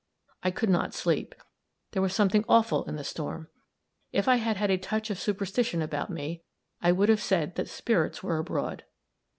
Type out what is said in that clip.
I could not sleep. There was something awful in the storm. If I had had a touch of superstition about me, I should have said that spirits were abroad.